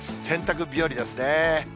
洗濯日和ですね。